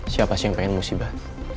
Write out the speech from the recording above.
siapa sih yang pengen musibah